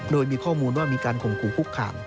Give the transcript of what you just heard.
โดยมีข้อมูลว่ามีการข่มขู่คุกคาม